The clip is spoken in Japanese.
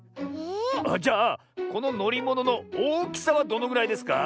⁉ああじゃあこののりもののおおきさはどのぐらいですか？